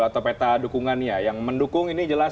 atau peta dukungannya yang mendukung ini jelas